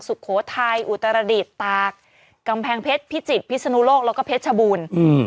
สุโขทัยอุตรดิษฐ์ตากกำแพงเพชรพิจิตรพิศนุโลกแล้วก็เพชรชบูรณ์